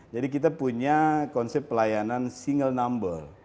jadi kita punya konsep pelayanan single number